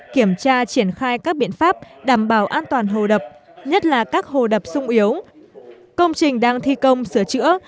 kiểm tra triển khai các biện pháp đảm bảo an toàn hồ đập nhất là các hồ đập sung yếu công trình đang thi công sửa chữa